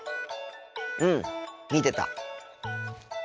うん見てた。